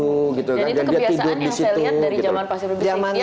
jadi itu kebiasaan yang saya lihat dari zaman pak siru bisik